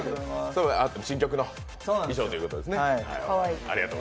新曲の衣装ということですね。